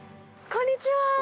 こんにちは。